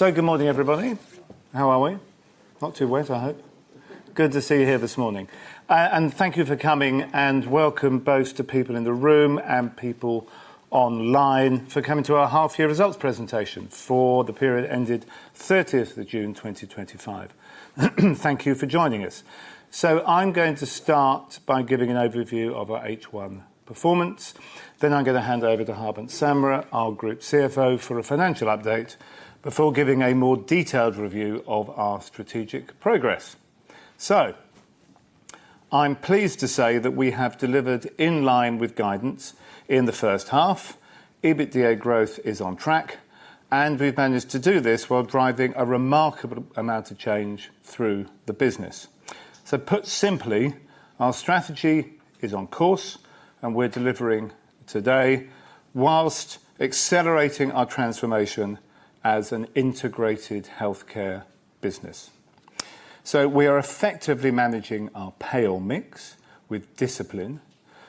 Good morning, everybody. How are we? Not too wet, I hope. Good to see you here this morning. Thank you for coming, and welcome both to people in the room and people online for coming to our half-year results presentation for the period ended 30th of June 2025. Thank you for joining us. I'm going to start by giving an overview of our H1 performance. I'm going to hand over to Harbant Samra, our Group CFO, for a financial update before giving a more detailed review of our strategic progress. I'm pleased to say that we have delivered in line with guidance in the first half. EBITDA growth is on track, and we've managed to do this while driving a remarkable amount of change through the business. Put simply, our strategy is on course, and we're delivering today whilst accelerating our transformation as an integrated healthcare business. We are effectively managing our payroll mix with discipline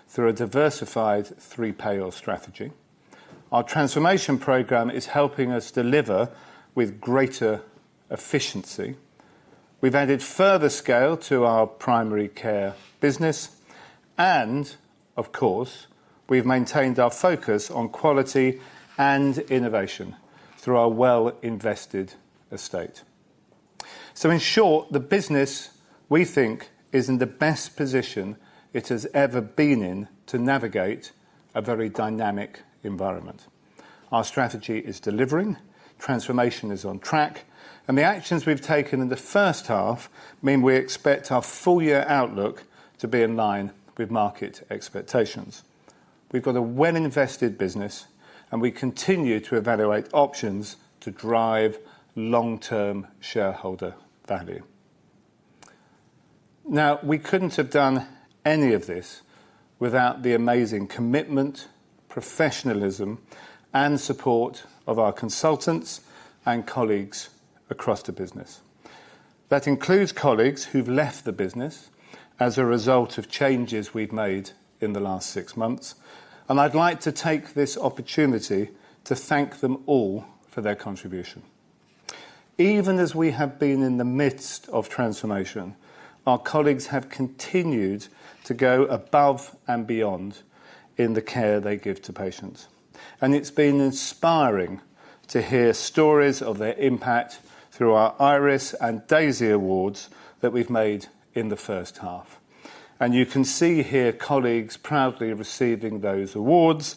through a diversified three-payer strategy. Our transformation program is helping us deliver with greater efficiency. We've added further scale to our primary care business, and of course, we've maintained our focus on quality and innovation through our well-invested estate. In short, the business we think is in the best position it has ever been in to navigate a very dynamic environment. Our strategy is delivering, transformation is on track, and the actions we've taken in the first half mean we expect our full-year outlook to be in line with market expectations. We've got a well-invested business, and we continue to evaluate options to drive long-term shareholder value. Now we couldn't have done any of this without the amazing commitment, professionalism, and support of our consultants and colleagues across the business. That includes colleagues who've left the business as a result of changes we've made in the last six months, and I'd like to take this opportunity to thank them all for their contribution. Even as we have been in the midst of transformation, our colleagues have continued to go above and beyond in the care they give to patients. It's been inspiring to hear stories of their impact through our IRIS and DAISY Awards that we've made in the first half. You can see here colleagues proudly receiving those awards,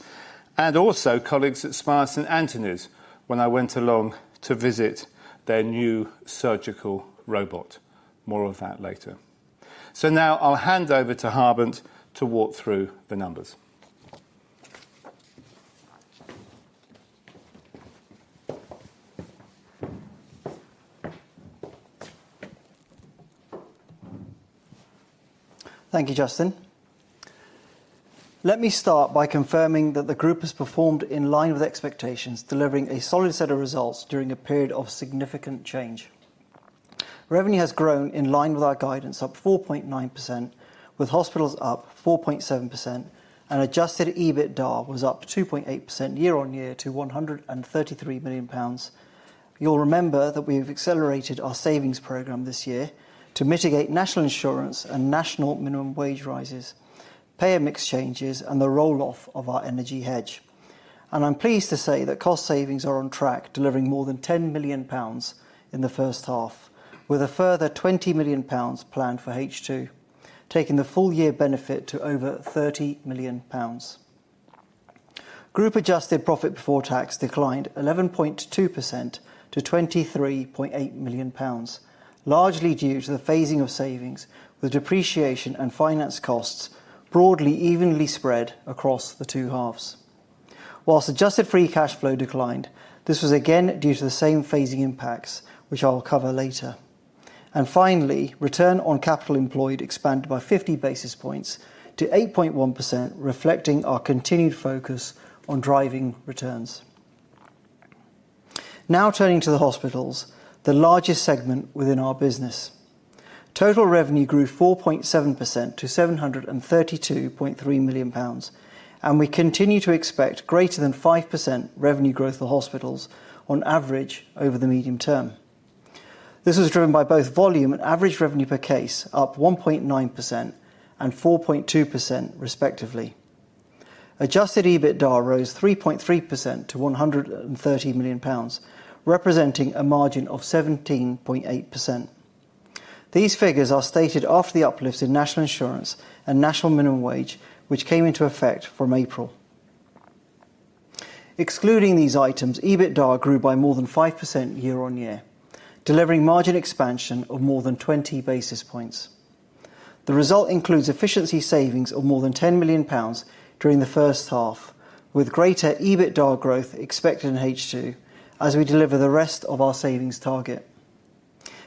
and also colleagues at Spire St. Anthony's when I went along to visit their new surgical robot. More of that later. Now I'll hand over to Harbant to walk through the numbers. Thank you, Justin. Let me start by confirming that the group has performed in line with expectations, delivering a solid set of results during a period of significant change. Revenue has grown in line with our guidance, up 4.9%, with hospitals up 4.7%, and adjusted EBITDA was up 2.8% year-on-year to £ 133 million. You'll remember that we've accelerated our savings program this year to mitigate national insurance and national minimum wage rises, payer mix changes, and the rolloff of our energy hedge. I'm pleased to say that cost savings are on track, delivering more than £ 10 million in the first half, with a further £ 20 million planned for H2, taking the full-year benefit to over £ 30 million. Group adjusted profit before tax declined 11.2% to £ 23.8 million, largely due to the phasing of savings with depreciation and finance costs broadly evenly spread across the two halves. Whilst adjusted free cash flow declined, this was again due to the same phasing impacts, which I'll cover later. Finally, return on capital employed expanded by 50 basis points to 8.1%, reflecting our continued focus on driving returns. Now turning to the hospitals, the largest segment within our business. Total revenue grew 4.7% to £ 732.3 million, and we continue to expect greater than 5% revenue growth for hospitals on average over the medium term. This was driven by both volume and average revenue per case, up 1.9% and 4.2% respectively. Adjusted EBITDA rose 3.3% to £ 130 million, representing a margin of 17.8%. These figures are stated after the uplifts in national insurance and national minimum wage, which came into effect from April. Excluding these items, EBITDA grew by more than 5% yea--on year, delivering margin expansion of more than 20 basis points. The result includes efficiency savings of more than £10 million during the first half, with greater EBITDA growth expected in H2 as we deliver the rest of our savings target.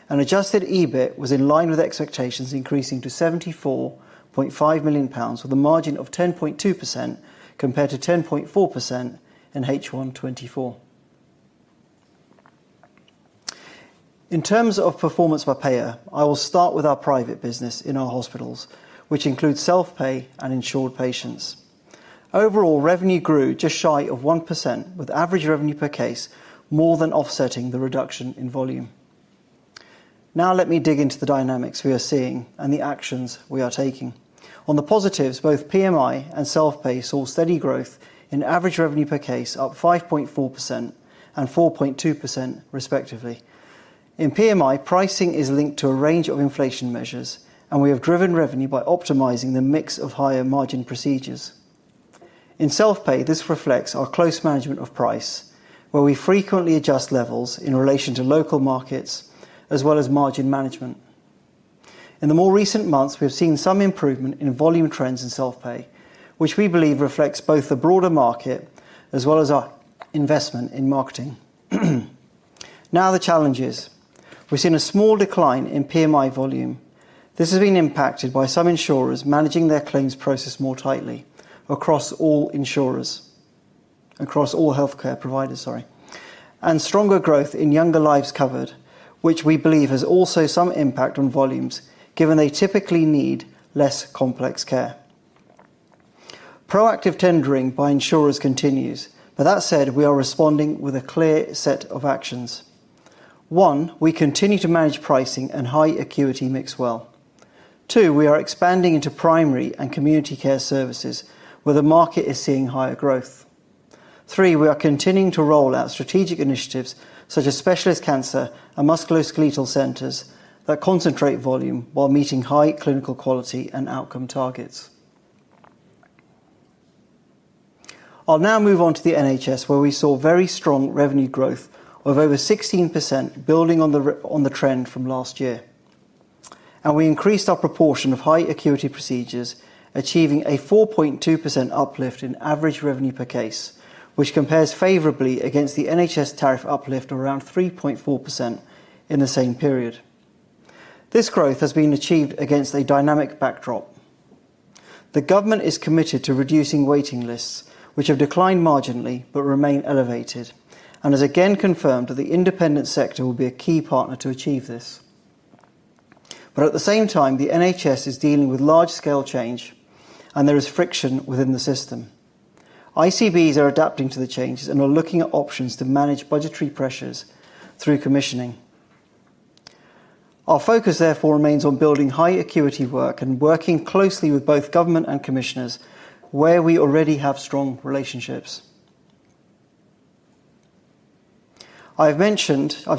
Adjusted EBIT was in line with expectations, increasing to £ 74.5 million with a margin of 10.2% compared to 10.4% in H1 2024. In terms of performance by payer, I will start with our private business in our hospitals, which includes self-pay and insured patients. Overall, revenue grew just shy of 1%, with average revenue per case more than offsetting the reduction in volume. Now let me dig into the dynamics we are seeing and the actions we are taking. On the positives, both PMI and self-pay saw steady growth in average revenue per case, up 5.4% and 4.2% respectively. In PMI, pricing is linked to a range of inflation measures, and we have driven revenue by optimizing the mix of higher margin procedures. In self-pay, this reflects our close management of price, where we frequently adjust levels in relation to local markets, as well as margin management. In the more recent months, we've seen some improvement in volume trends in self-pay, which we believe reflects both the broader market as well as our investment in marketing. Now the challenges. We've seen a small decline in PMI volume. This has been impacted by some insurers managing their claims process more tightly across all healthcare providers, and stronger growth in younger lives covered, which we believe has also some impact on volumes, given they typically need less complex care. Proactive tendering by insurers continues. That said, we are responding with a clear set of actions. One, we continue to manage pricing and high acuity mix well. Two, we are expanding into primary and community care services, where the market is seeing higher growth. Three, we are continuing to roll out strategic initiatives such as specialist cancer and musculoskeletal centers that concentrate volume while meeting high clinical quality and outcome targets. I'll now move on to the NHS, where we saw very strong revenue growth of over 16%, building on the trend from last year. We increased our proportion of high acuity procedures, achieving a 4.2% uplift in average revenue per case, which compares favorably against the NHS tariff uplift of around 3.4% in the same period. This growth has been achieved against a dynamic backdrop. The government is committed to reducing waiting lists, which have declined marginally but remain elevated, and has again confirmed that the independent sector will be a key partner to achieve this. At the same time, the NHS is dealing with large-scale change, and there is friction within the system. ICBS are adapting to the changes and are looking at options to manage budgetary pressures through commissioning. Our focus, therefore, remains on building high acuity work and working closely with both government and commissioners, where we already have strong relationships. I've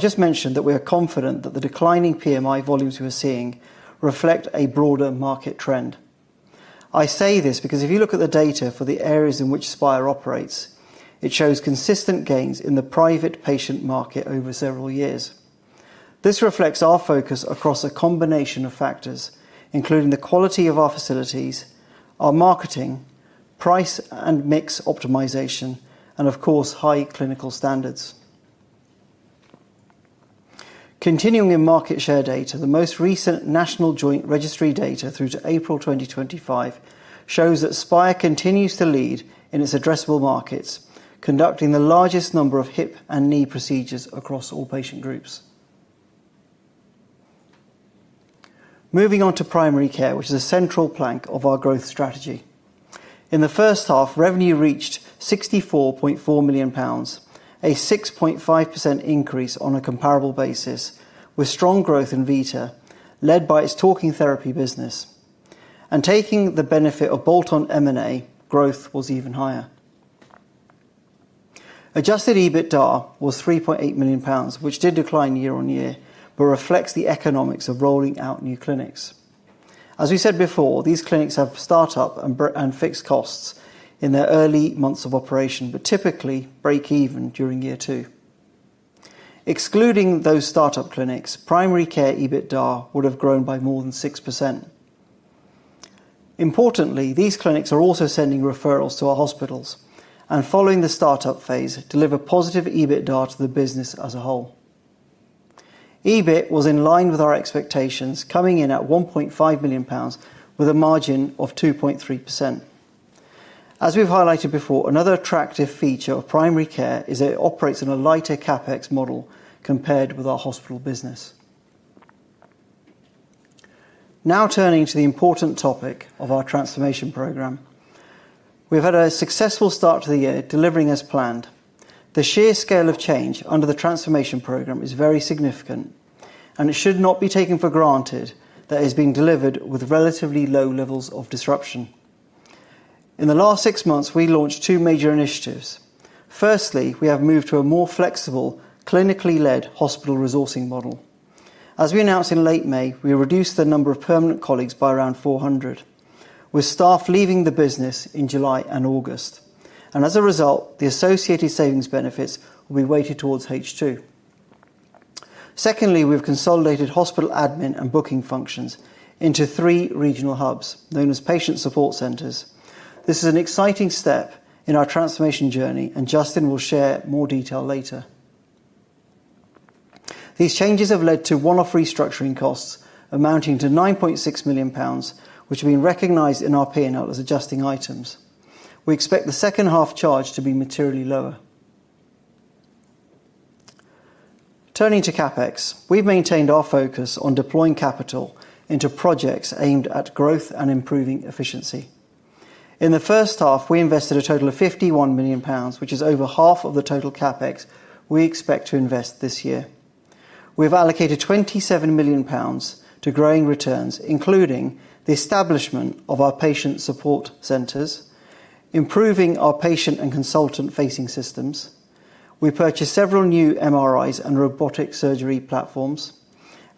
just mentioned that we are confident that the declining PMI volumes we're seeing reflect a broader market trend. I say this because if you look at the data for the areas in which Spire operates, it shows consistent gains in the private patient market over several years. This reflects our focus across a combination of factors, including the quality of our facilities, our marketing, price and mix optimization, and of course, high clinical standards. Continuing in market share data, the most recent national joint registry data through to April 2025 shows that Spire continues to lead in its addressable markets, conducting the largest number of hip and knee procedures across all patient groups. Moving on to primary care, which is a central plank of our growth strategy. In the first half, revenue reached £ 64.4 million, a 6.5% increase on a comparable basis, with strong growth in Vita led by its talking therapy business. Taking the benefit of bolt-on M&A, growth was even higher. Adjusted EBITDA was £ 3.8 million, which did decline year on year, but reflects the economics of rolling out new clinics. As we said before, these clinics have startup and fixed costs in their early months of operation, but typically break even during year two. Excluding those startup clinics, primary care EBITDA would have grown by more than 6%. Importantly, these clinics are also sending referrals to our hospitals and, following the startup phase, deliver positive EBITDA to the business as a whole. EBIT was in line with our expectations, coming in at £ 1.5 million, with a margin of 2.3%. As we've highlighted before, another attractive feature of primary care is that it operates in a lighter CapEx model compared with our hospital business. Now turning to the important topic of our transformation program, we've had a successful start to the year, delivering as planned. The sheer scale of change under the transformation program is very significant, and it should not be taken for granted that it has been delivered with relatively low levels of disruption. In the last six months, we launched two major initiatives. Firstly, we have moved to a more flexible, clinically led hospital resourcing model. As we announced in late May, we reduced the number of permanent colleagues by around 400, with staff leaving the business in July and August. As a result, the associated savings benefits will be weighted towards H2. Secondly, we've consolidated hospital admin and booking functions into three regional hubs, known as patient support centers. This is an exciting step in our transformation journey, and Justin will share more detail later. These changes have led to one-off restructuring costs amounting to £ 9.6 million, which have been recognized in our P&L as adjusting items. We expect the second half charge to be materially lower. Turning to CapEx, we've maintained our focus on deploying capital into projects aimed at growth and improving efficiency. In the first half, we invested a total of £ 51 million, which is over half of the total CapEx we expect to invest this year. We've allocated £ 27 million to growing returns, including the establishment of our patient support centers, improving our patient and consultant-facing systems. We purchased several new MRIs and robotic surgery platforms,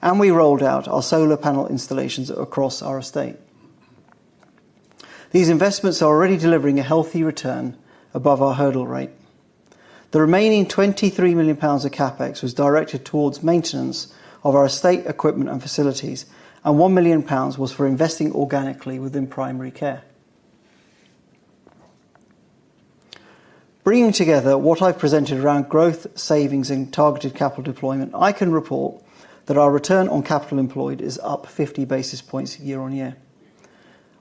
and we rolled out our solar panel installations across our estate. These investments are already delivering a healthy return above our hurdle rate. The remaining £ 23 million of CapEx was directed towards maintenance of our estate equipment and facilities, and £ 1 million was for investing organically within primary care. Bringing together what I've presented around growth, savings, and targeted capital deployment, I can report that our return on capital employed is up 50 basis points year-on-year.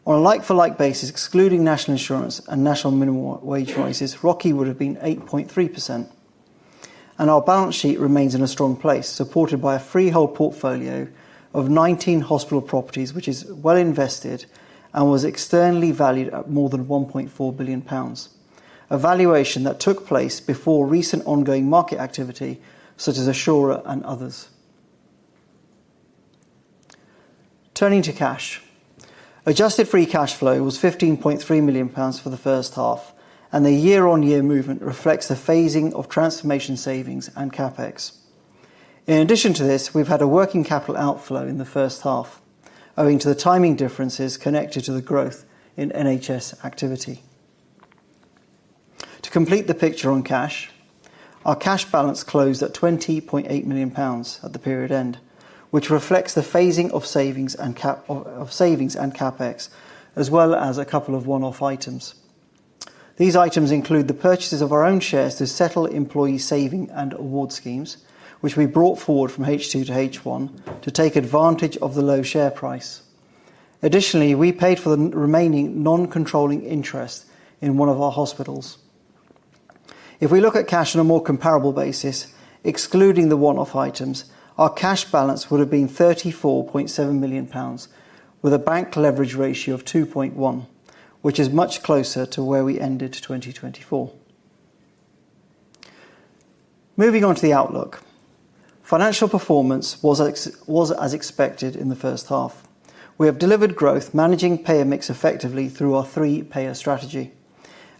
On a like-for-like basis, excluding national insurance and national minimum wage rises, ROCE would have been 8.3%. Our balance sheet remains in a strong place, supported by a freehold portfolio of 19 hospital properties, which is well invested and was externally valued at more than £ 1.4 billion. A valuation that took place before recent ongoing market activity, such as Assura and others. Turning to cash, adjusted free cash flow was £ 15.3 million for the first half, and the year-on-year movement reflects a phasing of transformation savings and CapEx. In addition to this, we've had a working capital outflow in the first half, owing to the timing differences connected to the growth in NHS activity. To complete the picture on cash, our cash balance closed at £ 20.8 million at the period end, which reflects the phasing of savings and CapEx, as well as a couple of one-off items. These items include the purchases of our own shares to settle employee saving and award schemes, which we brought forward from H2 to H1 to take advantage of the low share price. Additionally, we paid for the remaining non-controlling interest in one of our hospitals. If we look at cash on a more comparable basis, excluding the one-off items, our cash balance would have been £ 34.7 million, with a bank leverage ratio of 2.1, which is much closer to where we ended 2024. Moving on to the outlook, financial performance was as expected in the first half. We have delivered growth, managing payer mix effectively through our three-payer strategy,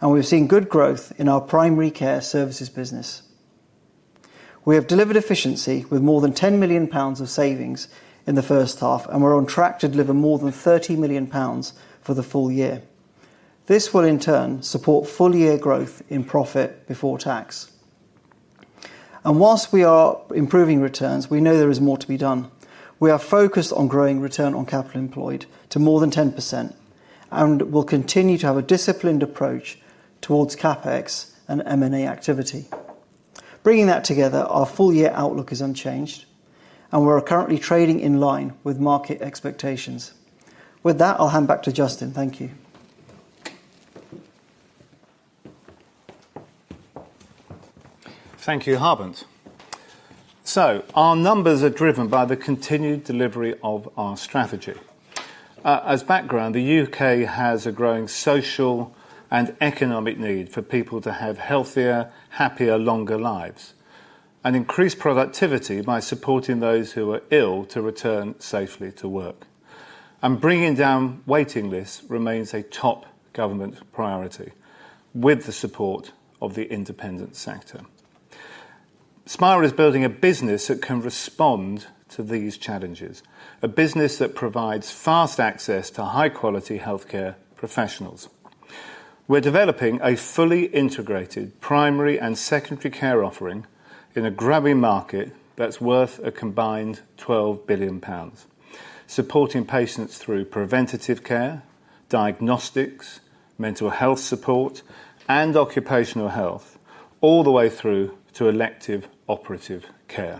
and we've seen good growth in our primary care services business. We have delivered efficiency with more than £ 10 million of savings in the first half, and we're on track to deliver more than £ 30 million for the full year. This will, in turn, support full-year growth in profit before tax. Whilst we are improving returns, we know there is more to be done. We are focused on growing return on capital employed to more than 10% and will continue to have a disciplined approach towards CapEx and M&A activity. Bringing that together, our full-year outlook is unchanged, and we're currently trading in line with market expectations. With that, I'll hand back to Justin. Thank you. Thank you, Harbant. So our numbers are driven by the continued delivery of our strategy. As background, the UK has a growing social and economic need for people to have healthier, happier, longer lives and increase productivity by supporting those who are ill to return safely to work. Bringing down waiting lists remains a top government priority with the support of the independent sector. Spire is building a business that can respond to these challenges, a business that provides fast access to high-quality healthcare professionals. We're developing a fully integrated primary and secondary care offering in a growing market that's worth a combined £ 12 billion, supporting patients through preventative care, diagnostics, mental health support, and occupational health, all the way through to elective operative care.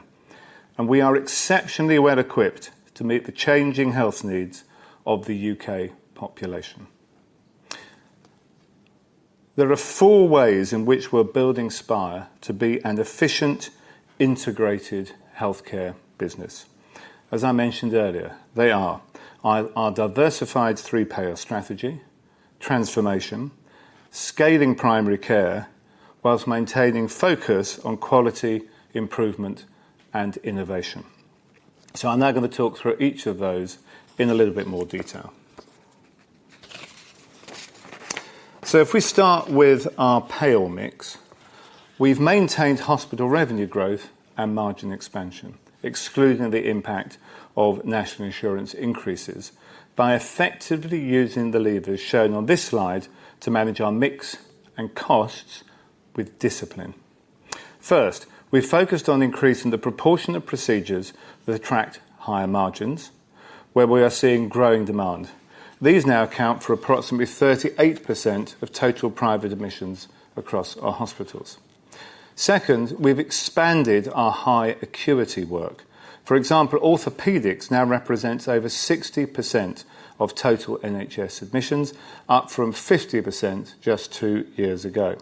We are exceptionally well equipped to meet the changing health needs of the UK population. There are four ways in which we're building Spire to be an efficient, integrated healthcare business. As I mentioned earlier, they are our diversified three-payer strategy, transformation, scaling primary care, whilst maintaining focus on quality improvement and innovation. I'm now going to talk through each of those in a little bit more detail. If we start with our payer mix, we've maintained hospital revenue growth and margin expansion, excluding the impact of national insurance increases, by effectively using the levers shown on this slide to manage our mix and costs with discipline. First, we focused on increasing the proportion of procedures that attract higher margins, where we are seeing growing demand. These now account for approximately 38% of total private admissions across our hospitals. Second, we've expanded our high acuity work. For example, orthopedics now represents over 60% of total NHS admissions, up from 50% just two years ago.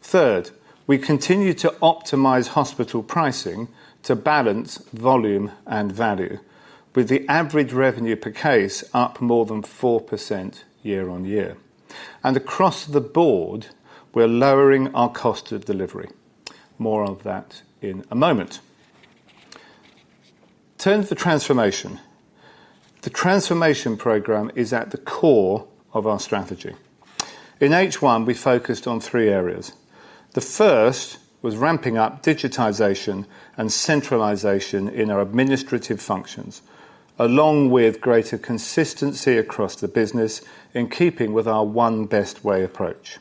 Third, we continue to optimize hospital pricing to balance volume and value, with the average revenue per case up more than 4% year-on-year. Across the board, we're lowering our cost of delivery. More of that in a moment. Turning to the transformation, the transformation program is at the core of our strategy. In H1, we focused on three areas. The first was ramping up digitization and centralization in our administrative functions, along with greater consistency across the business in keeping with our one best way approach.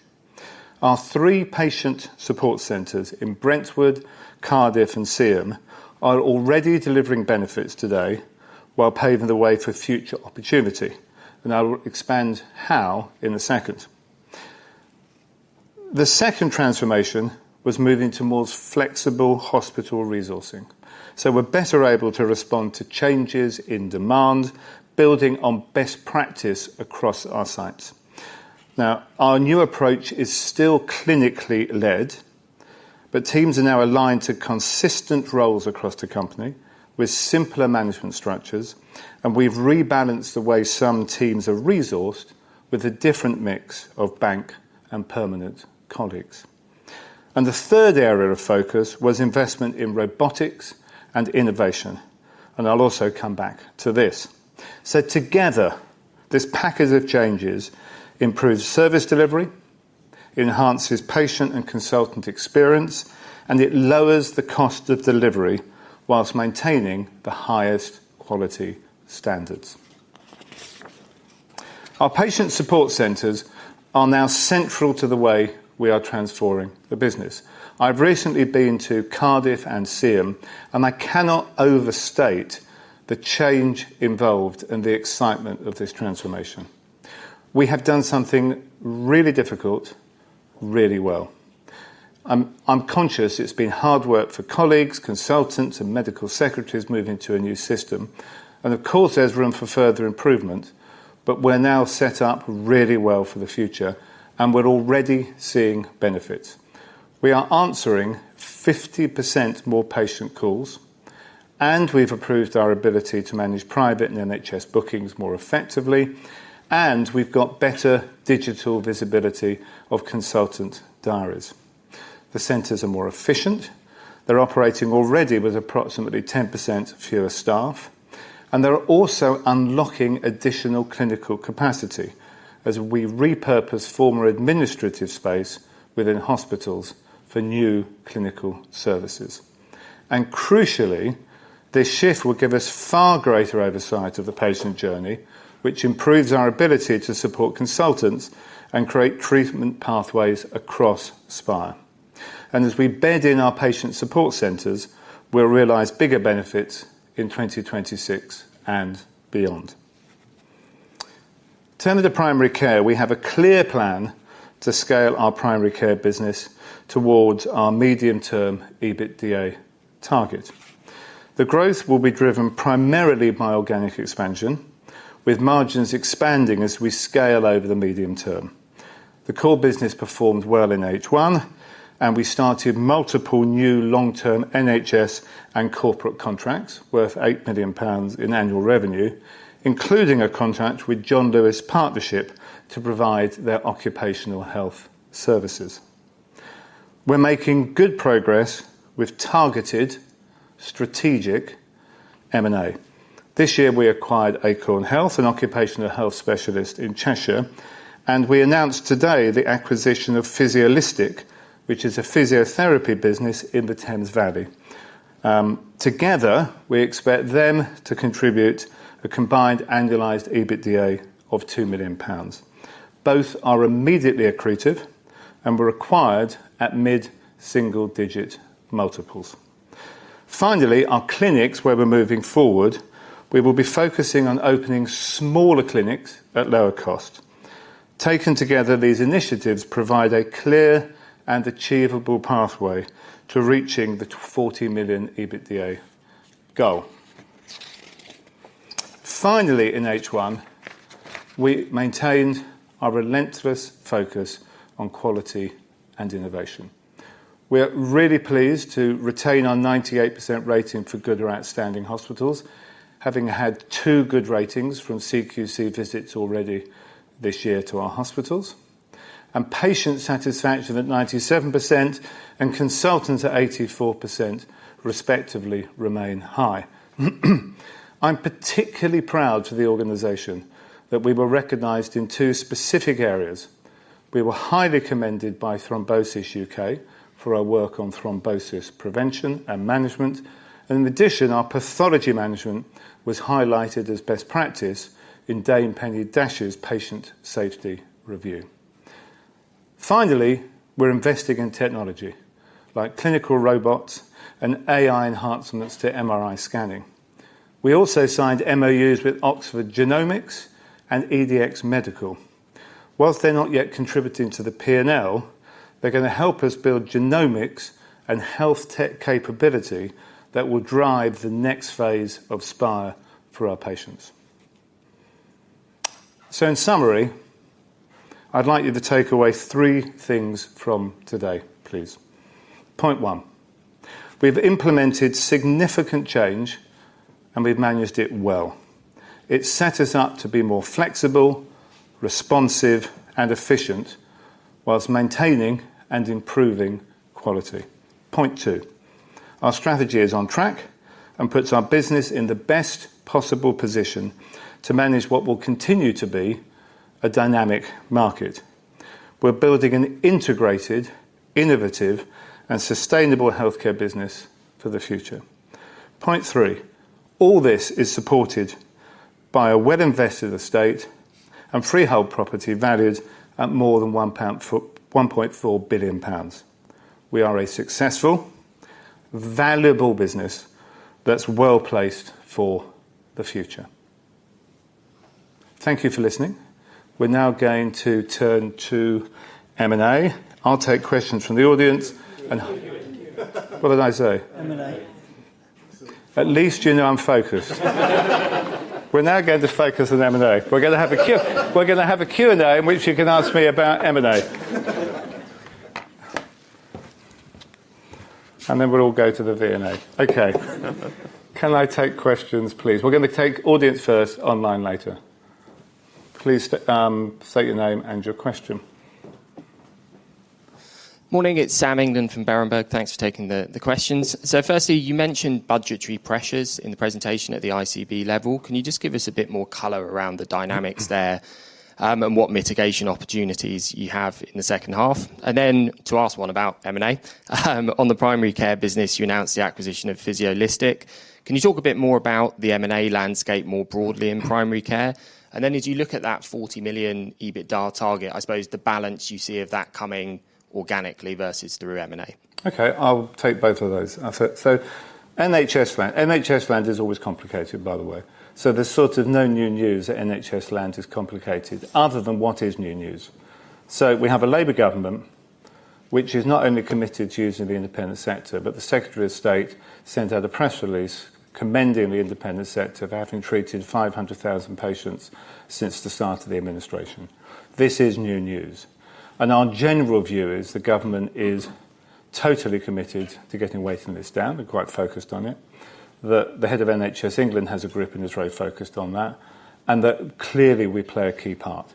Our three patient support centers in Brentwood, Cardiff, and Seaham are already delivering benefits today while paving the way for future opportunity, and I'll expand how in a second. The second transformation was moving towards flexible hospital resourcing, so we're better able to respond to changes in demand, building on best practice across our sites. Now, our new approach is still clinically led, but teams are now aligned to consistent roles across the company with simpler management structures, and we've rebalanced the way some teams are resourced with a different mix of bank and permanent colleagues. The third area of focus was investment in robotics and innovation, and I'll also come back to this. Together, this package of changes improves service delivery, enhances patient and consultant experience, and it lowers the cost of delivery whilst maintaining the highest quality standards. Our patient support centers are now central to the way we are transforming the business. I've recently been to Cardiff and Seaham, and I cannot overstate the change involved and the excitement of this transformation. We have done something really difficult, really well. I'm conscious it's been hard work for colleagues, consultants, and medical secretaries moving to a new system, and of course, there's room for further improvement, but we're now set up really well for the future, and we're already seeing benefits. We are answering 50% more patient calls, and we've improved our ability to manage private and NHS bookings more effectively, and we've got better digital visibility of consultant diaries. The centers are more efficient. They're operating already with approximately 10% fewer staff, and they're also unlocking additional clinical capacity as we repurpose former administrative space within hospitals for new clinical services. Crucially, this shift will give us far greater oversight of the patient journey, which improves our ability to support consultants and create treatment pathways across Spire. As we bed in our patient support centers, we'll realize bigger benefits in 2026 and beyond. Turning to primary care, we have a clear plan to scale our primary care business towards our medium-term EBITDA target. The growth will be driven primarily by organic expansion, with margins expanding as we scale over the medium term. The core business performed well in H1, and we started multiple new long-term NHS and corporate contracts worth £ 8 million in annual revenue, including a contract with John Lewis Partnership to provide their occupational health services. We're making good progress with targeted strategic M&A. This year, we acquired Acorn Health, an occupational health specialist in Cheshire, and we announced today the acquisition of Physiolistic, which is a physiotherapy business in the Thames Valley. Together, we expect them to contribute a combined annualized EBITDA of £ 2 million. Both are immediately accretive, and were acquired at mid-single-digit multiples. Finally, our clinics, where we're moving forward, we will be focusing on opening smaller clinics at lower cost. Taken together, these initiatives provide a clear and achievable pathway to reaching the £ 40 million EBITDA goal. Finally, in H1, we maintained our relentless focus on quality and innovation. We're really pleased to retain our 98% rating for good or outstanding hospitals, having had two good ratings from CQC visits already this year to our hospitals. Patient satisfaction at 97% and consultants at 84% respectively remain high. I'm particularly proud for the organization that we were recognized in two specific areas. We were highly commended by Thrombosis UK for our work on thrombosis prevention and management, and in addition, our pathology management was highlighted as best practice in Dame Penny Dash's patient safety review. Finally, we're investing in technology like clinical robots and AI enhancements to MRI scanning. We also signed MOUs with Oxford Genomics and EDX Medical. Whilst they're not yet contributing to the P&L, they're going to help us build genomics and health tech capability that will drive the next phase of Spire for our patients. In summary, I'd like you to take away three things from today, please. Point one, we've implemented significant change, and we've managed it well. It set us up to be more flexible, responsive, and efficient, whilst maintaining and improving quality. Point two, our strategy is on track and puts our business in the best possible position to manage what will continue to be a dynamic market. We're building an integrated, innovative, and sustainable healthcare business for the future. Point three, all this is supported by a well-invested estate and freehold property valued at more than £ 1.4 billion. We are a successful, valuable business that's well placed for the future. Thank you for listening. We're now going to turn to M&A. I'll take questions from the audience. At least you know I'm focused. We're now going to focus on M&A. We're going to have a Q&A in which you can ask me about M&A. And then we'll all go to the V&A. Okay. Can I take questions, please? We're going to take audience first, online later. Please state your name and your question. Morning. It's Sam Darbyshire from Berenberg. Thanks for taking the questions. You mentioned budgetary pressures in the presentation at the ICB level. Can you just give us a bit more color around the dynamics there and what mitigation opportunities you have in the second half? I want to ask one about M&A. On the primary care business, you announced the acquisition of Physiolistic. Can you talk a bit more about the M&A landscape more broadly in primary care? As you look at that £ 40 million EBITDA target, I suppose the balance you see of that coming organically versus through M&A. Okay, I'll take both of those. NHS Land is always complicated, by the way. There's sort of no new news that NHS Land is complicated other than what is new news. We have a Labor government, which is not only committed to using the independent sector, but the Secretary of State sent out a press release commending the independent sector for having treated 500,000 patients since the start of the administration. This is new news. Our general view is the government is totally committed to getting waiting lists down and quite focused on it. The head of NHS England has a grip and is very focused on that, and clearly we play a key part.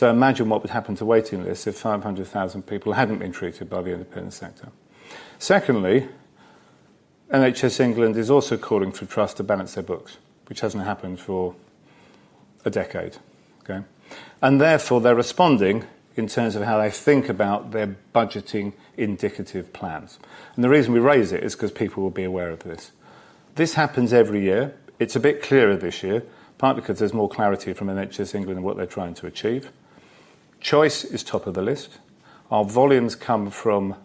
Imagine what would happen to waiting lists if 500,000 people hadn't been treated by the independent sector. NHS England is also calling for trusts to balance their books, which hasn't happened for a decade. Therefore, they're responding in terms of how they think about their budgeting indicative plans. The reason we raise it is because people will be aware of this. This happens every year. It's a bit clearer this year, partly because there's more clarity from NHS England and what they're trying to achieve. Choice is top of the list. Our volumes come from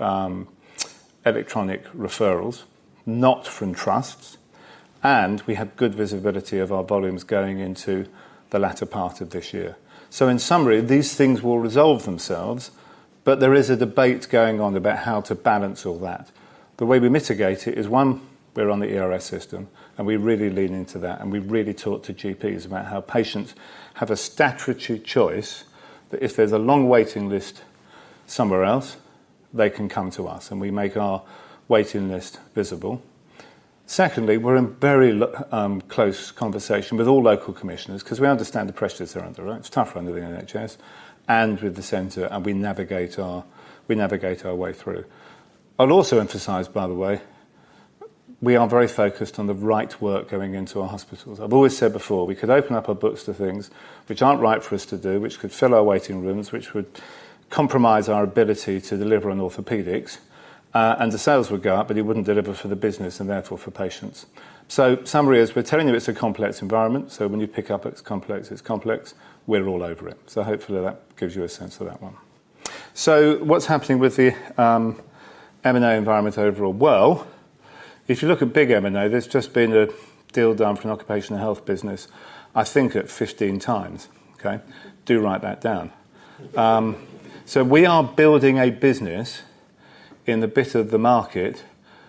electronic referrals, not from trusts, and we have good visibility of our volumes going into the latter part of this year. In summary, these things will resolve themselves, but there is a debate going on about how to balance all that. The way we mitigate it is, one, we're on the ERS system, and we really lean into that, and we really talk to GPs about how patients have a statutory choice that if there's a long waiting list somewhere else, they can come to us, and we make our waiting list visible. We're in very close conversation with all local commissioners because we understand the pressures they're under. It's tougher under the NHS and with the center, and we navigate our way through. I'll also emphasize, by the way, we are very focused on the right work going into our hospitals. I've always said before, we could open up our books to things which aren't right for us to do, which could fill our waiting rooms, which would compromise our ability to deliver on orthopedics, and the sales would go up, but it wouldn't deliver for the business and therefore for patients. Summary is we're telling you it's a complex environment. When you pick up it's complex, it's complex. We're all over it. Hopefully that gives you a sense of that one. What's happening with the M&A environment overall? If you look at big M&A, there's just been a deal done for an occupational health business, I think at 15 times. Do write that down. We are building a business in the bit of the market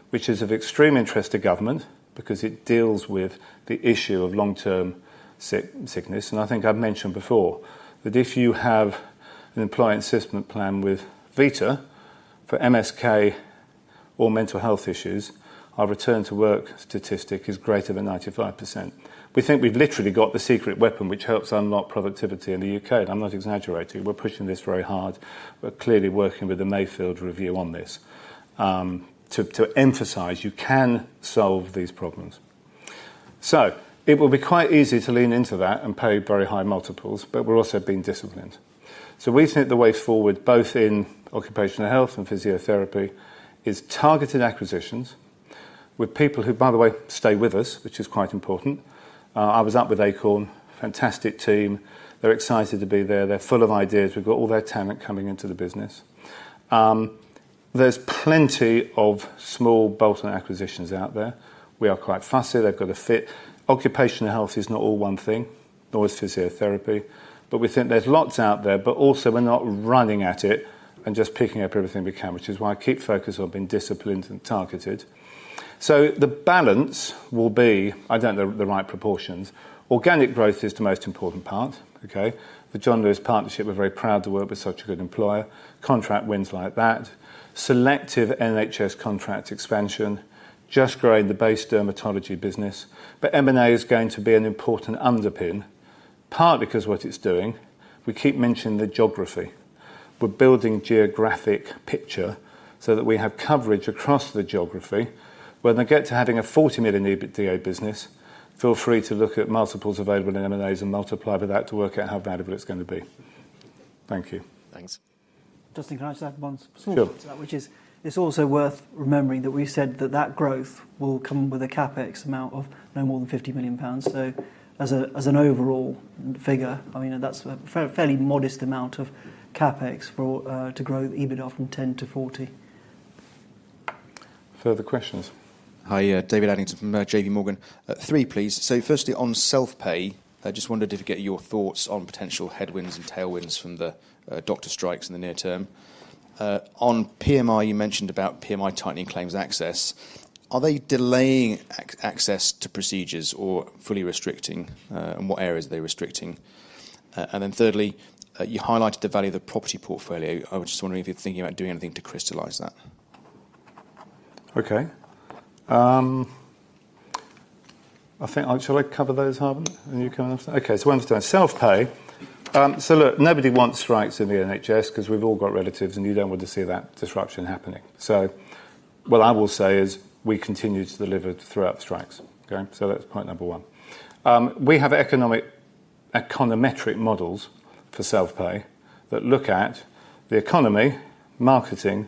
which is of extreme interest to government because it deals with the issue of long-term sickness. I think I've mentioned before that if you have an employment assessment plan with Vita for MSK or mental health issues, our return to work statistic is greater than 95%. We think we've literally got the secret weapon which helps unlock productivity in the UK. I'm not exaggerating. We're pushing this very hard. We're clearly working with the Mayfield review on this to emphasize you can solve these problems. It would be quite easy to lean into that and pay very high multiples, but we're also being disciplined. We think the way forward, both in occupational health and physiotherapy, is targeted acquisitions with people who, by the way, stay with us, which is quite important. I was up with Acorn, fantastic team. They're excited to be there. They're full of ideas. We've got all their talent coming into the business. There's plenty of small bolt-on acquisitions out there. We are quite fussy. They've got to fit. Occupational health is not all one thing, nor is physiotherapy. We think there's lots out there, but also we're not running at it and just picking up everything we can, which is why I keep focusing on being disciplined and targeted. The balance will be, I don't know, the right proportions. Organic growth is the most important part. The John Lewis Partnership, we're very proud of the world. We're such a good employer. Contract wins like that. Selective NHS contract expansion, just growing the base dermatology business. M&A is going to be an important underpin, partly because of what it's doing. We keep mentioning the geography. We're building a geographic picture so that we have coverage across the geography. When I get to having a £ 40 million EBITDA business, feel free to look at multiples available in M&As and multiply with that to work out how bad of it it's going to be. Thank you. Thanks. Justin, can I just add one to that, which is it's also worth remembering that we said that that growth will come with a CapEx amount of no more than £ 50 million. As an overall figure, I mean, that's a fairly modest amount of CapEx to grow EBITDA from 10 to 40. Further questions? Hi, David Addington from JP Morgan. Three, please. Firstly, on self-pay, I just wondered if you could get your thoughts on potential headwinds and tailwinds from the doctor strikes in the near term. On PMI, you mentioned about PMI tightening claims access. Are they delaying access to procedures or fully restricting, and what areas are they restricting? Thirdly, you highlighted the value of the property portfolio. I was just wondering if you're thinking about doing anything to crystallize that. Okay. I think I covered those, Harbant, and you can answer. Okay, so one's done. Self-pay. Look, nobody wants strikes in the NHS because we've all got relatives and you don't want to see that disruption happening. What I will say is we continue to deliver throughout strikes. That's point number one. We have economic econometric models for self-pay that look at the economy, marketing,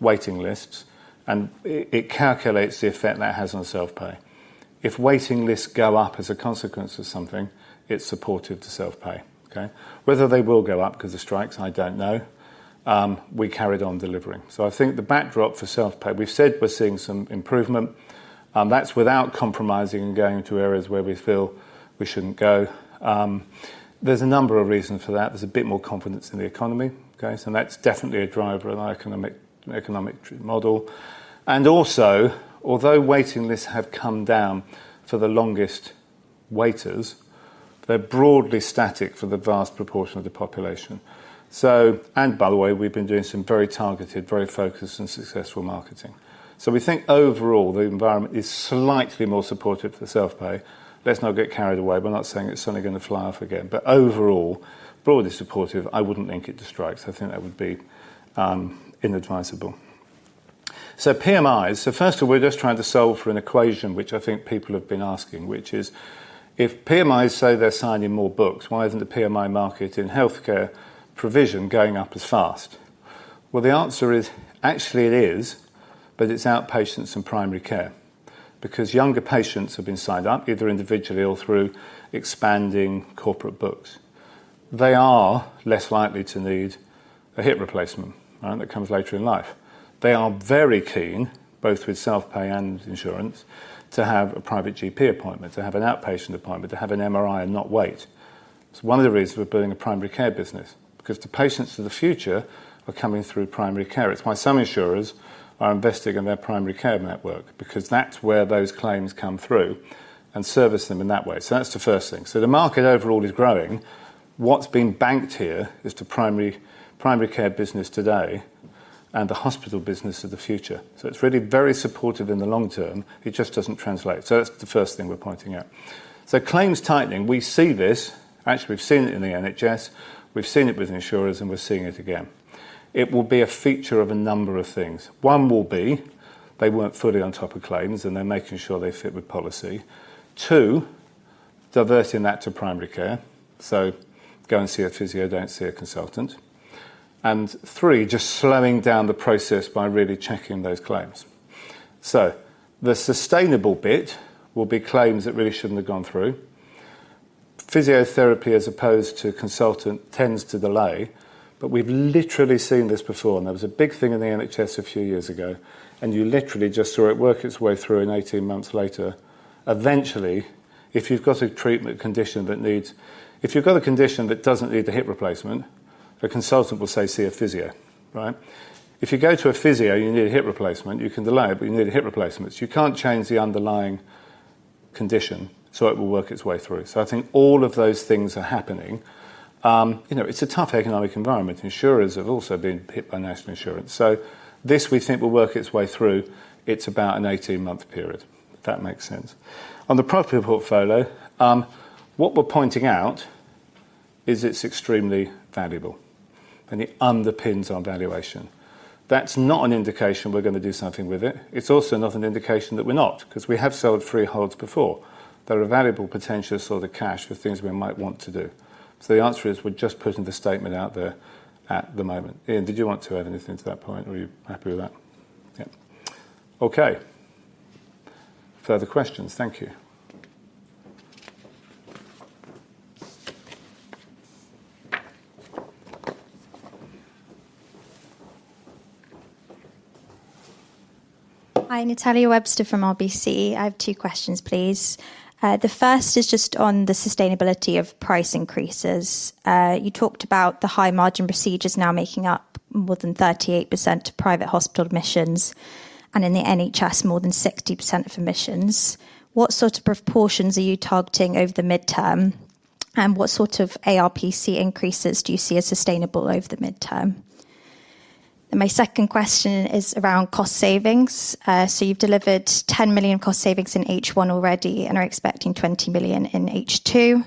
waiting lists, and it calculates the effect that has on self-pay. If waiting lists go up as a consequence of something, it's supportive to self-pay. Whether they will go up because of strikes, I don't know. We carried on delivering. I think the backdrop for self-pay, we've said we're seeing some improvement. That's without compromising and going into areas where we feel we shouldn't go. There's a number of reasons for that. There's a bit more confidence in the economy. That's definitely a driver of our economic model. Also, although waiting lists have come down for the longest waiters, they're broadly static for the vast proportion of the population. By the way, we've been doing some very targeted, very focused, and successful marketing. We think overall the environment is slightly more supportive for self-pay. Let's not get carried away. We're not saying it's suddenly going to fly off again, but overall, broadly supportive. I wouldn't link it to strikes. I think that would be inadvisable. PMIs. First of all, we're just trying to solve for an equation, which I think people have been asking, which is if PMIs say they're signing more books, why isn't the PMI market in healthcare provision going up as fast? The answer is actually it is, but it's outpatients and primary care because younger patients have been signed up either individually or through expanding corporate books. They are less likely to need a hip replacement that comes later in life. They are very keen, both with self-pay and insurance, to have a private GP appointment, to have an outpatient appointment, to have an MRI and not wait. It's one of the reasons we're building a primary care business because the patients of the future are coming through primary care. It's why some insurers are investing in their primary care network because that's where those claims come through and service them in that way. The market overall is growing. What's being banked here is the primary care business today and the hospital business of the future. It is really very supportive in the long term. It just doesn't translate. That's the first thing we're pointing out. Claims tightening, we see this. Actually, we've seen it in the NHS. We've seen it with insurers, and we're seeing it again. It will be a feature of a number of things. One will be they weren't fully on top of claims, and they're making sure they fit with policy. Two, diverting that to primary care. Go and see a physio, don't see a consultant. Three, just slowing down the process by really checking those claims. The sustainable bit will be claims that really shouldn't have gone through. Physiotherapy, as opposed to consultant, tends to delay, but we've literally seen this before. There was a big thing in the NHS a few years ago, and you literally just saw it work its way through, and 18 months later, eventually, if you've got a condition that doesn't need a hip replacement, a consultant will say, "See a physio." If you go to a physio and you need a hip replacement, you can delay, but you need a hip replacement. You can't change the underlying condition, so it will work its way through. I think all of those things are happening. It's a tough economic environment. Insurers have also been hit by national insurance. We think this will work its way through. It's about an 18-month period. That makes sense. On the property portfolio, what we're pointing out is it's extremely valuable, and it underpins our valuation. That's not an indication we're going to do something with it. It's also not an indication that we're not, because we have sold freeholds before. There are valuable potentials for the cash of things we might want to do. The answer is we're just putting the statement out there at the moment. Ian, did you want to add anything to that point, or are you happy with that? Yeah. Okay. Further questions? Thank you. Hi, Natalia Webster from RBC. I have two questions, please. The first is just on the sustainability of price increases. You talked about the high margin procedures now making up more than 38% of private hospital admissions, and in the NHS, more than 60% of admissions. What sort of proportions are you targeting over the midterm, and what sort of ARPC increases do you see as sustainable over the midterm? My second question is around cost savings. You've delivered £ 10 million cost savings in H1 already and are expecting £ 20 million in H2.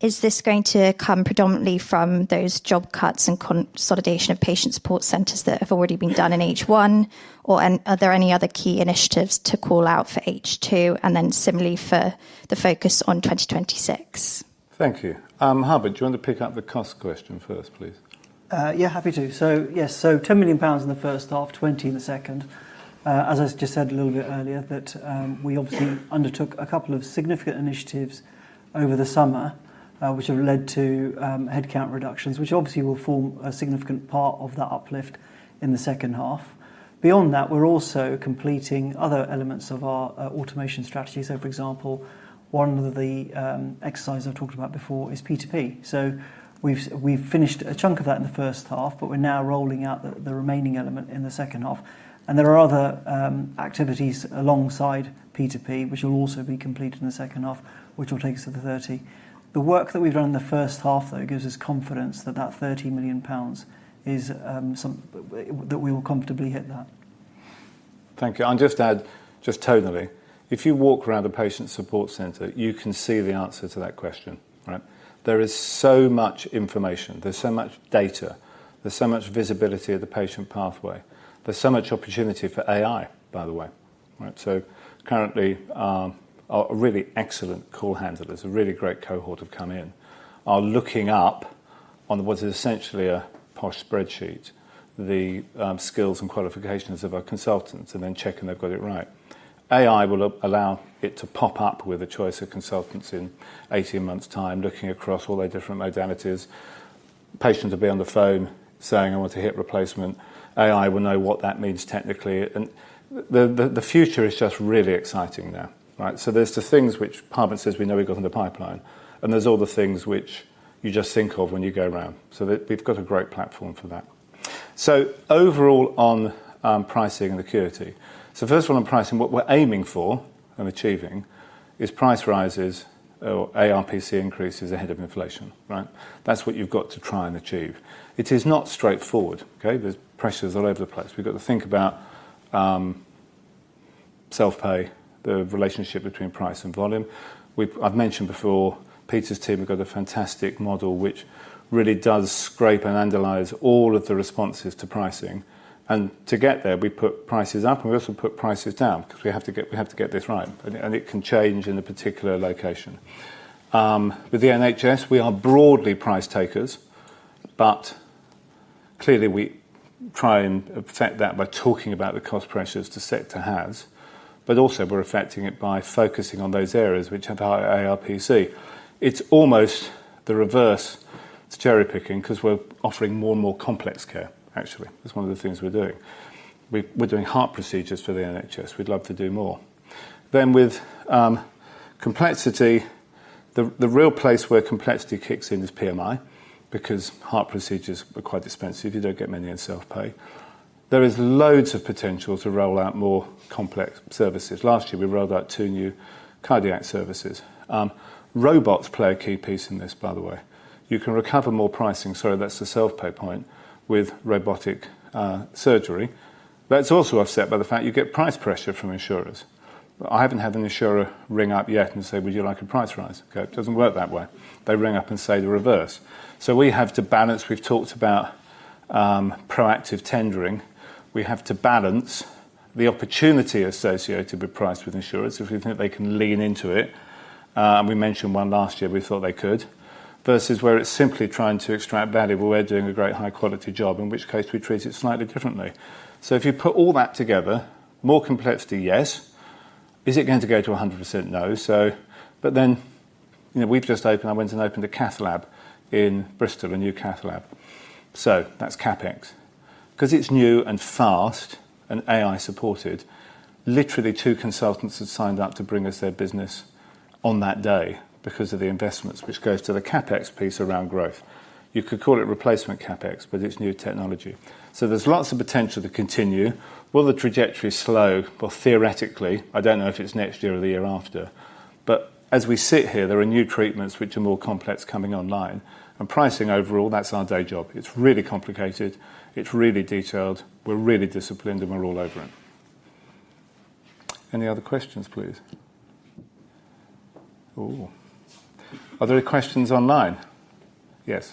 Is this going to come predominantly from those job cuts and consolidation of patient support centers that have already been done in H1, or are there any other key initiatives to call out for H2 and then similarly for the focus on 2026? Thank you. Harbant, do you want to pick up the cost question first, please? Yeah, happy to. Yes, £ 10 million in the first half, £ 20 million in the second, as I just said a little bit earlier. We obviously undertook a couple of significant initiatives over the summer, which have led to headcount reductions, which will form a significant part of that uplift in the second half. Beyond that, we're also completing other elements of our automation strategy. For example, one of the exercises I've talked about before is P2P. We've finished a chunk of that in the first half, but we're now rolling out the remaining element in the second half. There are other activities alongside P2P, which will also be completed in the second half, which will take us to the £ 30 million. The work that we've done in the first half gives us confidence that £ 30 million is something that we will comfortably hit. Thank you. I'll just add, if you walk around a patient support center, you can see the answer to that question. There is so much information. There's so much data. There's so much visibility of the patient pathway. There's so much opportunity for AI, by the way. Currently, our really excellent call handlers, a really great cohort have come in, are looking up on what is essentially a posh spreadsheet, the skills and qualifications of our consultants, and then checking they've got it right. AI will allow it to pop up with a choice of consultants in 18 months' time, looking across all their different modalities. Patients will be on the phone saying, "I want a hip replacement." AI will know what that means technically. The future is just really exciting now. There are the things which Harbant says we know we've got in the pipeline, and there are all the things which you just think of when you go around. They've got a great platform for that. Overall on pricing and acuity. First of all, on pricing, what we're aiming for and achieving is price rises or ARPC increases ahead of inflation. That's what you've got to try and achieve. It is not straightforward. There are pressures all over the place. We've got to think about self-pay, the relationship between price and volume. I've mentioned before, Peter's team have got a fantastic model which really does scrape and analyze all of the responses to pricing. To get there, we put prices up, and we also put prices down because we have to get this right, and it can change in a particular location. With the NHS, we are broadly price takers, but clearly we try and affect that by talking about the cost pressures the sector has, but also we're affecting it by focusing on those areas which have a higher ARPC. It's almost the reverse. It's cherry picking because we're offering more and more complex care, actually. That's one of the things we're doing. We're doing heart procedures for the NHS. We'd love to do more. With complexity, the real place where complexity kicks in is PMI because heart procedures are quite expensive. You don't get many in self-pay. There is loads of potential to roll out more complex services. Last year, we rolled out two new cardiac services. Robots play a key piece in this, by the way. You can recover more pricing. Sorry, that's the self-pay point with robotic surgery. That's also offset by the fact you get price pressure from insurers. I haven't had an insurer ring up yet and say, "Would you like a price rise?" It doesn't work that way. They ring up and say the reverse. We have to balance. We've talked about proactive tendering. We have to balance the opportunity associated with price with insurers if we think they can lean into it. We mentioned one last year we thought they could versus where it's simply trying to extract value, but we're doing a great high-quality job, in which case we treat it slightly differently. If you put all that together, more complexity, yes. Is it going to go to 100%? No. We've just opened, I went and opened a cath lab in Bristol, a new cath lab. That's CapEx because it's new and fast and AI supported. Literally, two consultants have signed up to bring us their business on that day because of the investments, which goes to the CapEx piece around growth. You could call it replacement CapEx, but it's new technology. There's lots of potential to continue. Will the trajectory slow? Theoretically, I don't know if it's next year or the year after. As we sit here, there are new treatments which are more complex coming online. Pricing overall, that's our day job. It's really complicated. It's really detailed. We're really disciplined, and we're all over it. Any other questions, please? Oh, are there any questions online? Yes.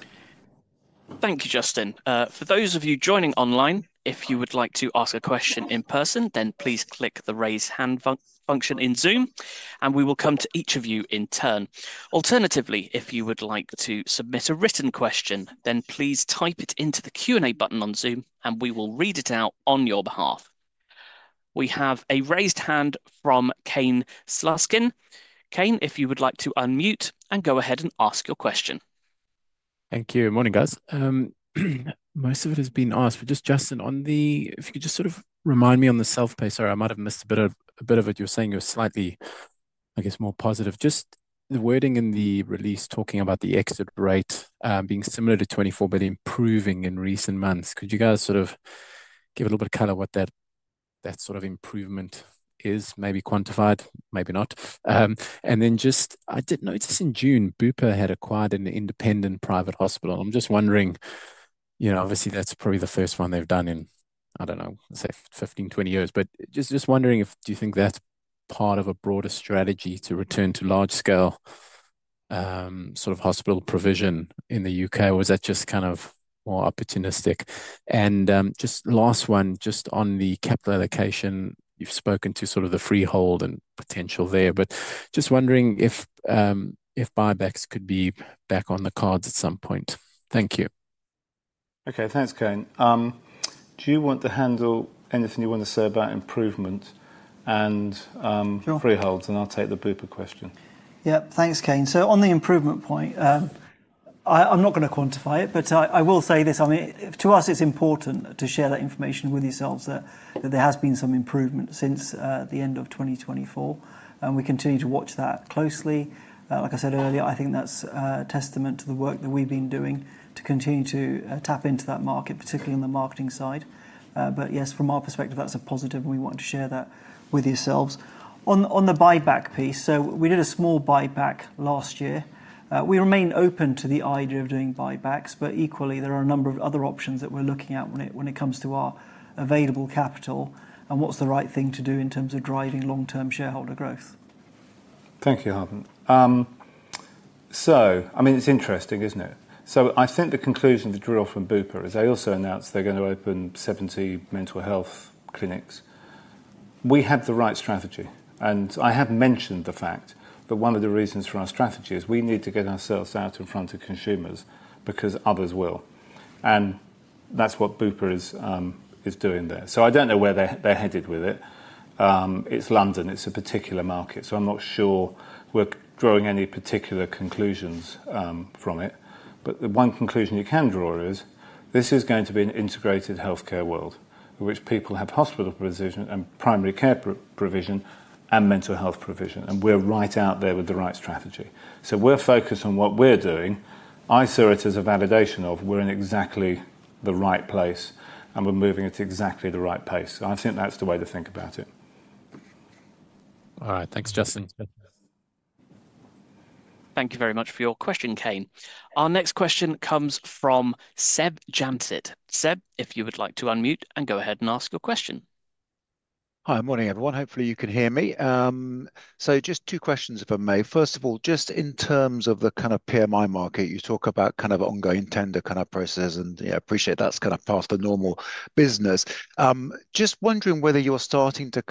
Thank you, Justin. For those of you joining online, if you would like to ask a question in person, please click the raise hand function in Zoom, and we will come to each of you in turn. Alternatively, if you would like to submit a written question, please type it into the Q&A button on Zoom, and we will read it out on your behalf. We have a raised hand from Cain Sluskin. Cain, if you would like to unmute and go ahead and ask your question. Thank you. Good morning, guys. Most of it has been asked, but just Justin, if you could just sort of remind me on the self-pay, sorry, I might have missed a bit of what you were saying. You were slightly, I guess, more positive. Just the wording in the release talking about the exit rate being similar to £ 24 million, improving in recent months. Could you guys sort of give a little bit of color what that sort of improvement is? Maybe quantified, maybe not. I did notice in June, Bupa had acquired an independent private hospital. I'm just wondering, obviously that's probably the first one they've done in, I don't know, let's say 15, 20 years, but just wondering if you think that's part of a broader strategy to return to large scale hospital provision in the UK, or is that just kind of more opportunistic? Just last one, just on the capital allocation, you've spoken to sort of the freehold and potential there, but just wondering if buybacks could be back on the cards at some point. Thank you. Okay, thanks, Harbant. Do you want to handle anything you want to say about improvement and freeholds? I'll take the Bupa question. Yeah, thanks, Cain. On the improvement point, I'm not going to quantify it, but I will say this. To us, it's important to share that information with yourselves that there has been some improvement since the end of 2024, and we continue to watch that closely. Like I said earlier, I think that's a testament to the work that we've been doing to continue to tap into that market, particularly on the marketing side. Yes, from our perspective, that's a positive, and we want to share that with yourselves. On the buyback piece, we did a small buyback last year. We remain open to the idea of doing buybacks, but equally, there are a number of other options that we're looking at when it comes to our available capital and what's the right thing to do in terms of driving long-term shareholder growth. Thank you, Harbant. It's interesting, isn't it? I think the conclusion of the drill from Bupa is they also announced they're going to open 70 mental health clinics. We have the right strategy, and I have mentioned the fact that one of the reasons for our strategy is we need to get ourselves out in front of consumers because others will. That's what Bupa is doing there. I don't know where they're headed with it. It's London. It's a particular market. I'm not sure we're drawing any particular conclusions from it. The one conclusion you can draw is this is going to be an integrated healthcare world in which people have hospital provision and primary care provision and mental health provision. We're right out there with the right strategy. We're focused on what we're doing. I saw it as a validation of we're in exactly the right place, and we're moving at exactly the right pace. I think that's the way to think about it. All right, thanks, Justin. Thank you very much for your question, Cain. Our next question comes from Seb Jamtid. Seb, if you would like to unmute and go ahead and ask your question. Hi, morning everyone. Hopefully you can hear me. Just two questions, if I may. First of all, just in terms of the kind of PMI market, you talk about ongoing tender processes, and I appreciate that's part of the normal business. Just wondering whether you're starting to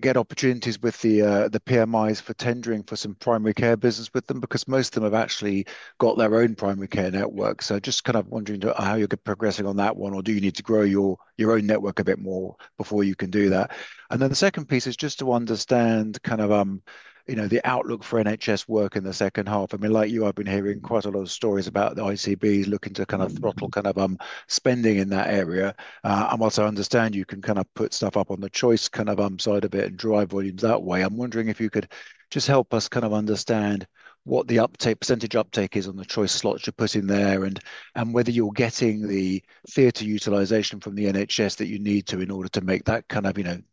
get opportunities with the PMIs for tendering for some primary care business with them because most of them have actually got their own primary care network. Just wondering how you're progressing on that one, or do you need to grow your own network a bit more before you can do that? The second piece is just to understand the outlook for NHS work in the second half. I mean, like you, I've been hearing quite a lot of stories about the ICB looking to throttle spending in that area. Whilst I understand you can put stuff up on the choice side of it and drive volumes that way, I'm wondering if you could just help us understand what the percentage uptake is on the choice slots you're putting there and whether you're getting the theater utilization from the NHS that you need to in order to make that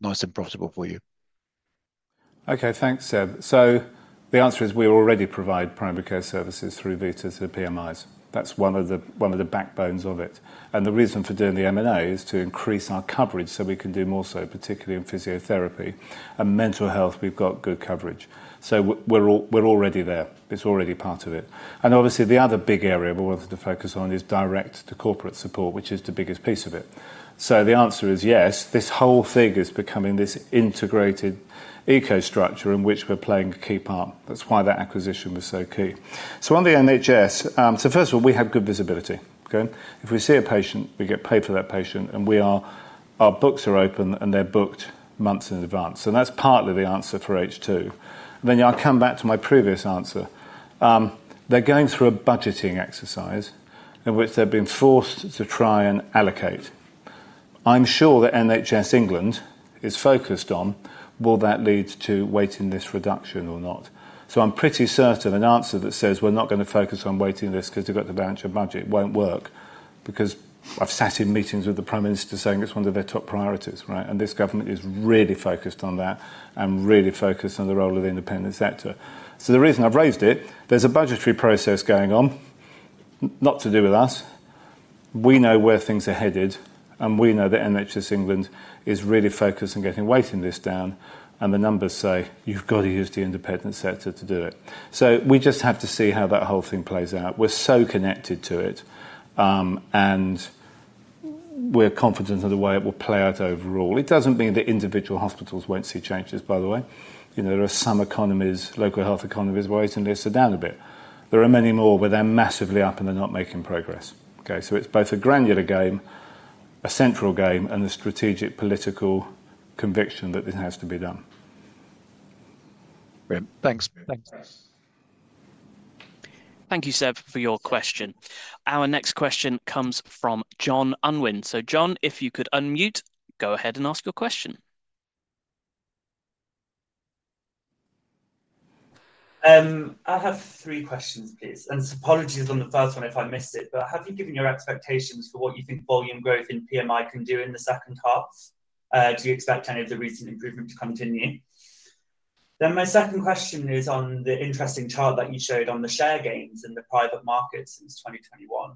nice and profitable for you. Okay, thanks, Seb. The answer is we already provide primary care services through Vita to the PMIs. That's one of the backbones of it. The reason for doing the M&A is to increase our coverage so we can do more, particularly in physiotherapy and mental health. We've got good coverage. We're already there. It's already part of it. Obviously, the other big area we wanted to focus on is direct to corporate support, which is the biggest piece of it. The answer is yes, this whole thing is becoming this integrated eco-structure in which we're playing a key part. That's why that acquisition was so key. On the NHS, first of all, we have good visibility. If we see a patient, we get paid for that patient, and our books are open and they're booked months in advance. That's partly the answer for H2. I come back to my previous answer. They're going through a budgeting exercise in which they've been forced to try and allocate. I'm sure that NHS England is focused on whether that will lead to waiting list reduction or not. I'm pretty certain an answer that says we're not going to focus on waiting lists because they've got the balance of budget won't work because I've sat in meetings with the Prime Minister saying it's one of their top priorities, right? This government is really focused on that and really focused on the role of the independent sector. The reason I've raised it, there's a budgetary process going on, not to do with us. We know where things are headed, and we know that NHS England is really focused on getting waiting lists down. The numbers say you've got to use the independent sector to do it. We just have to see how that whole thing plays out. We're so connected to it, and we're confident of the way it will play out overall. It doesn't mean that individual hospitals won't see changes, by the way. There are some local health economies where waiting lists are down a bit. There are many more where they're massively up and they're not making progress. It's both a granular game, a central game, and a strategic political conviction that this has to be done. Thanks. Thank you, Seb, for your question. Our next question comes from John Unwin. John, if you could unmute, go ahead and ask your question. I have three questions. Apologies on the first one if I missed it, but have you given your expectations for what you think volume growth in PMI can do in the second half? Do you expect any of the recent improvement to continue? My second question is on the interesting chart that you showed on the share gains in the private markets since 2021.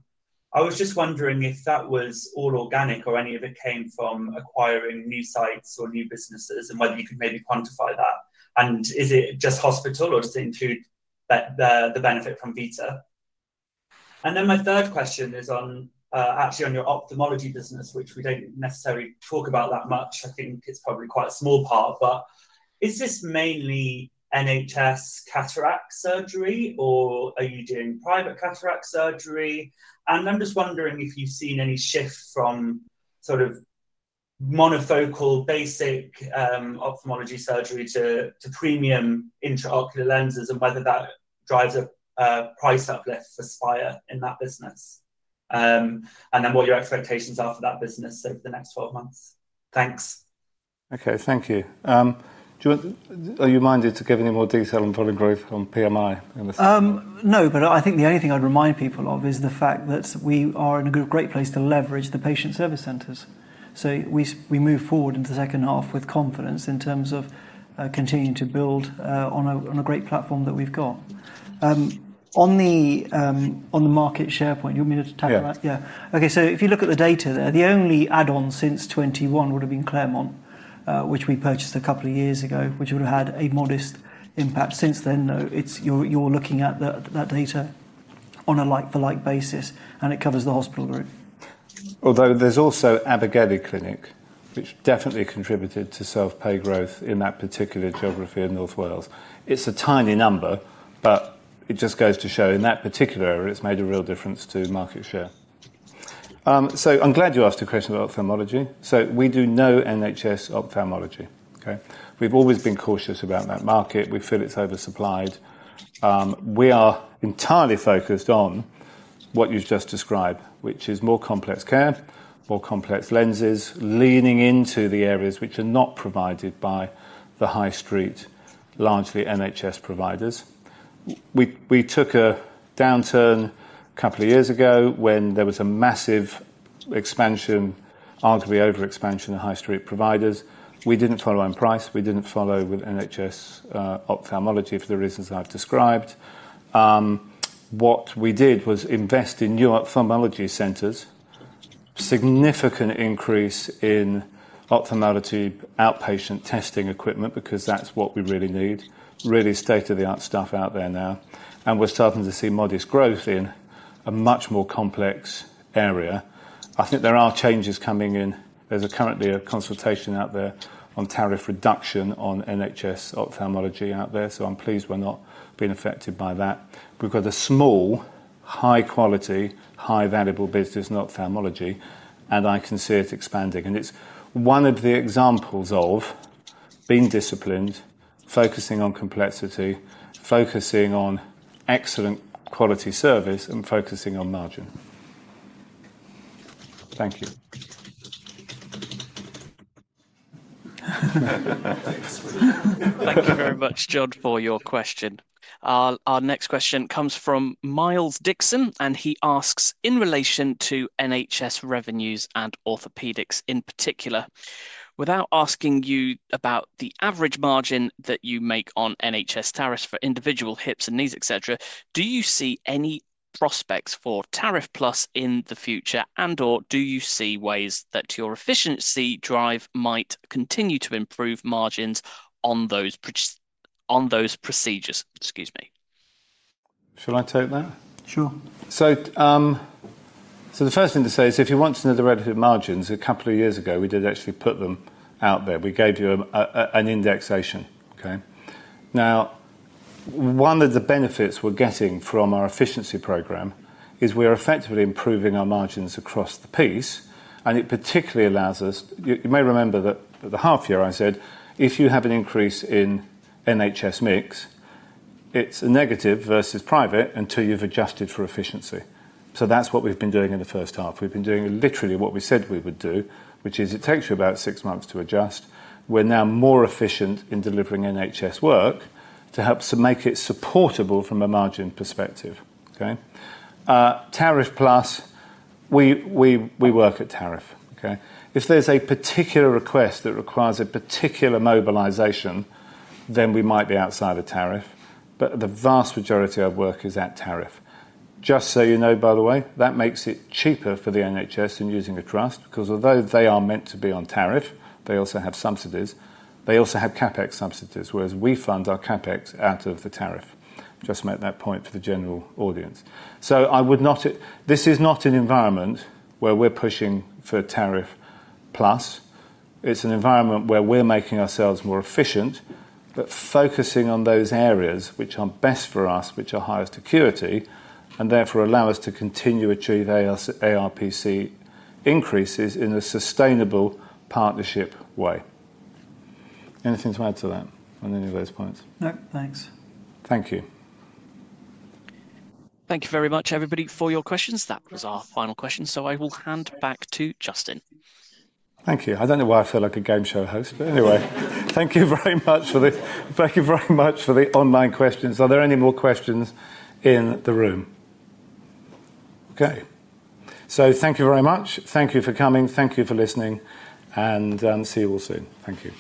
I was just wondering if that was all organic or if any of it came from acquiring new sites or new businesses and whether you could maybe quantify that. Is it just hospitals or does it seem to benefit from Vita? My third question is actually on your ophthalmology business, which we don't necessarily talk about that much. I think it's probably quite a small part, but is this mainly NHS cataract surgery or are you doing private cataract surgery? I'm just wondering if you've seen any shift from sort of monofocal basic ophthalmology surgery to premium intraocular lenses and whether that drives a price uplift for Spire in that business. What are your expectations for that business over the next 12 months? Thanks. Okay, thank you. Are you minded to give any more detail on volume growth on PMI in this? No, I think the only thing I'd remind people of is the fact that we are in a great place to leverage the patient support centers. So we move forward into the second half with confidence in terms of continuing to build on a great platform that we've got. On the market share point, you want me to tackle that? Yeah. Okay, if you look at the data there, the only add-on since 2021 would have been Claremont, which we purchased a couple of years ago, which would have had a modest impact. Since then, you're looking at that data on a like-for-like basis, and it covers the hospital room. Although there's also Abergerie Clinic, which definitely contributed to self-pay growth in that particular geography of North Wales. It's a tiny number, but it just goes to show in that particular area, it's made a real difference to market share. I'm glad you asked a question about ophthalmology. We do no NHS ophthalmology. We've always been cautious about that market. We feel it's oversupplied. We are entirely focused on what you've just described, which is more complex care, more complex lenses, leaning into the areas which are not provided by the high street, largely NHS providers. We took a downturn a couple of years ago when there was a massive expansion, arguably over expansion of high street providers. We didn't follow on price. We didn't follow with NHS ophthalmology for the reasons I've described. What we did was invest in new ophthalmology centers, a significant increase in ophthalmology outpatient testing equipment because that's what we really need, really state-of-the-art stuff out there now. We're starting to see modest growth in a much more complex area. I think there are changes coming in. There's currently a consultation out there on tariff reduction on NHS ophthalmology out there. I'm pleased we're not being affected by that. We've got a small, high-quality, high-valuable business in ophthalmology, and I can see it expanding. It's one of the examples of being disciplined, focusing on complexity, focusing on excellent quality service, and focusing on margin. Thank you. Thank you very much, John, for your question. Our next question comes from Miles Dixon, and he asks in relation to NHS revenues and orthopedics in particular. Without asking you about the average margin that you make on NHS tariffs for individual hips and knees, etc., do you see any prospects for tariff plus in the future, and/or do you see ways that your efficiency drive might continue to improve margins on those procedures? Should I take that? Sure. The first thing to say is if you want to know the relative margins, a couple of years ago we did actually put them out there. We gave you an indexation. One of the benefits we're getting from our efficiency program is we are effectively improving our margins across the piece, and it particularly allows us, you may remember that at the half year I said, if you have an increase in NHS mix, it's a negative versus private until you've adjusted for efficiency. That's what we've been doing in the first half. We've been doing literally what we said we would do, which is it takes you about six months to adjust. We're now more efficient in delivering NHS work to help make it supportable from a margin perspective. Tariff plus, we work at tariff. If there's a particular request that requires a particular mobilization, then we might be outside of tariff, but the vast majority of work is at tariff. Just so you know, by the way, that makes it cheaper for the NHS than using a trust because although they are meant to be on tariff, they also have subsidies. They also have CapEx subsidies, whereas we fund our CapEx out of the tariff. I just made that point for the general audience. I would not, this is not an environment where we're pushing for tariff plus. It's an environment where we're making ourselves more efficient, but focusing on those areas which are best for us, which are highest acuity, and therefore allow us to continue to achieve ARPC increases in a sustainable partnership way. Anything to add to that on any of those points? No, thanks. Thank you. Thank you very much, everybody, for your questions. That was our final question. I will hand back to Justin. Thank you. I don't know why I feel like a game show host, but anyway, thank you very much for the online questions. Are there any more questions in the room? Thank you very much. So thank you for coming, thank you for listening, and see you all soon. Thank you.